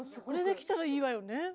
これできたらいいわよね。